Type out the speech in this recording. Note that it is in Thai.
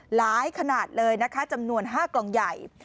ขนาดเลยนะคะจำนวน๕กล่องใหญ่